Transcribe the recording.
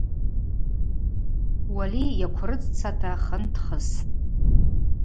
Уали йакврыдзцата хын дхыстӏ.